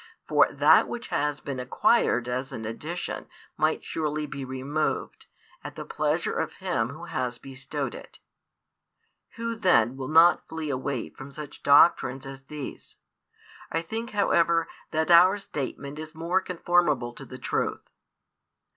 For that which has been acquired as an addition might surely be removed, at the pleasure of Him Who has bestowed it. Who then will not flee away from such doctrines as these? I think, however, that our statement is more conformable to the truth.